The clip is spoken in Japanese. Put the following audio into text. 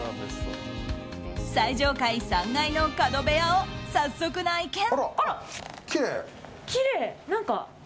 最上階３階の角部屋を早速、内軒。